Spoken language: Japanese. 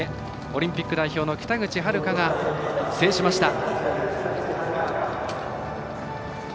オリンピック代表の北口榛花が制しました。